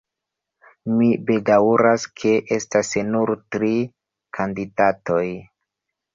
Mi bedaŭras ke estas nur tri kandidatoj.